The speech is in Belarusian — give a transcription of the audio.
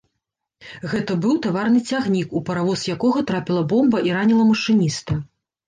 Гэта быў таварны цягнік, у паравоз якога трапіла бомба і раніла машыніста.